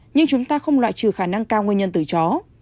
nhưng chúng ta không loại trừ khả năng cao nguyên nhân từ chó